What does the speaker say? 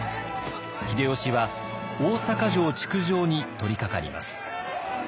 秀吉は大坂城築城に取りかかります。